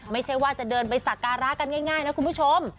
ไม่ใช่ว่าจะเดินไปสักการะกันง่ายนะคุณผู้ชม